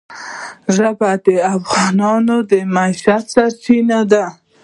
ژبې د افغانانو د معیشت سرچینه ده.